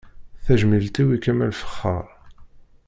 Tajmilt-iw i Kamal Fexxaṛ.